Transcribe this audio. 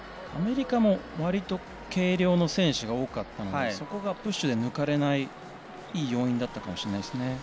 アメリカもわりと軽量の選手が多かったのでそこがプッシュで抜かれないいい要因だったかもしれないです。